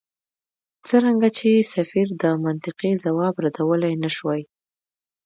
څرنګه چې سفیر دا منطقي ځواب ردولای نه شوای.